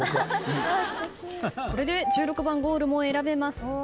これで１６番ゴールも選べます。